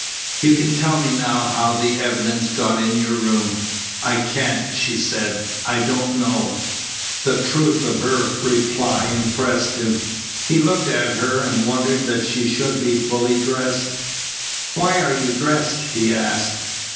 "You can tell me now how the evidence got in your room." "I can't," she said. "I don't know." The truth of her reply impressed him. He looked at her and wondered that she should be fully dressed. "Why are you dressed?" he asked.